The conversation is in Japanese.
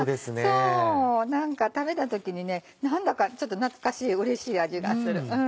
そう何か食べた時にね何だかちょっと懐かしいうれしい味がする。